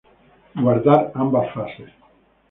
Guardar ambas fases.